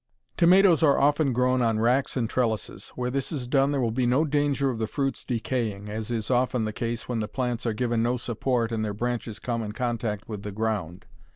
Tomatoes are often grown on racks and trellises. Where this is done there will be no danger of the fruit's decaying, as is often the case when the plants are given no support and their branches come in contact with the ground.